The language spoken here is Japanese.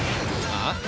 あっ？